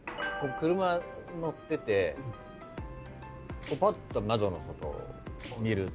車乗っててぽっと窓の外を見ると。